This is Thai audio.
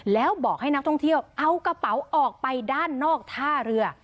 แล้วบอกให้นักท่องเที่ยวเอากระเป๋าออกไปด้านนอกท่าเรือ